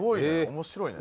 面白いね。